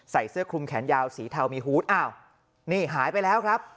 เสื้อคลุมแขนยาวสีเทามีฮูตอ้าวนี่หายไปแล้วครับ